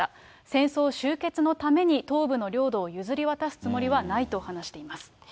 戦争終結のために東部の領土を譲り渡すつもりはないと話しています。